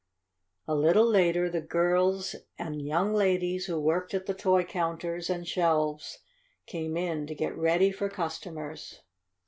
A little later the girls and young ladies who worked at the toy counters and shelves came in to get ready for customers.